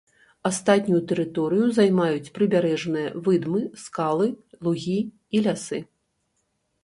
Астатнюю тэрыторыю займаюць прыбярэжныя выдмы, скалы, лугі і лясы.